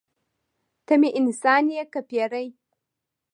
ته مې انسان یې که پیری.